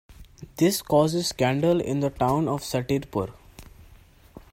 This causes scandal in the town of Satipur.